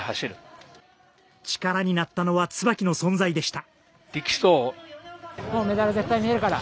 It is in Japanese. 力になったのは椿の存在でした。